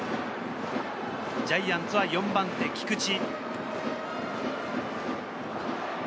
ジャイアンツは４番手・菊地。